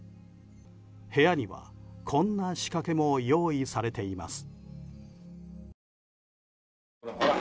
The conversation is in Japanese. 部屋にはこんな仕掛けも用意されています。